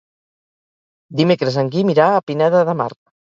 Dimecres en Guim irà a Pineda de Mar.